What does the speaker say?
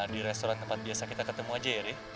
di restoran tempat biasa kita ketemu aja ya